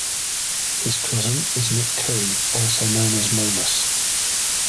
His cousin is Nick Currie, also known as "Momus".